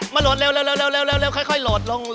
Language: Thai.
โหลดเร็วค่อยโหลดลง